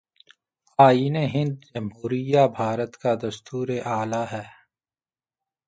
آئین ہند جمہوریہ بھارت کا دستور اعلیٰ ہے